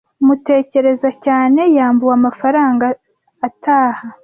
tmutekereza cyane Yambuwe amafaranga ataha.